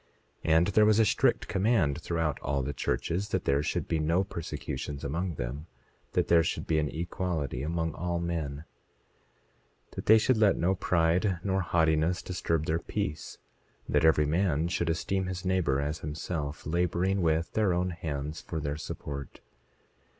27:3 And there was a strict command throughout all the churches that there should be no persecutions among them, that there should be an equality among all men; 27:4 That they should let no pride nor haughtiness disturb their peace; that every man should esteem his neighbor as himself, laboring with their own hands for their support.